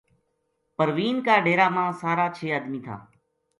پروین کا ڈیرا ما سارا چھ ادمی تھا